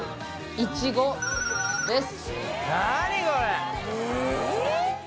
いちご○○です